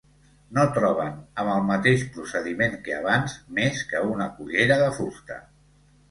No troben, amb el mateix procediment que abans, més que una cullera de fusta.